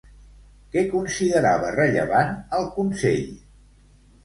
Què considerava rellevant el Consell?